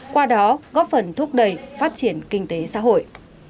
qua đó góp phần thúc đẩy phát triển kinh tế xã hội